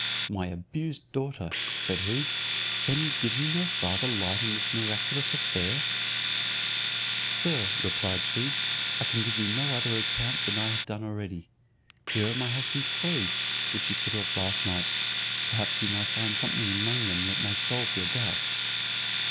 "My abused daughter," said he, "can you give me no farther light in this miraculous affair?" "Sir," replied she, "I can give you no other account than I have done already. Here are my husband's clothes, which he put off last night; perhaps you may find something among them that may solve your doubt."